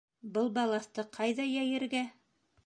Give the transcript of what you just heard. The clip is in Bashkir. Был балаҫты ҡайҙа йәйергә?